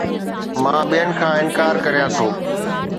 مان ٻين کان انڪار ڪريان ٿو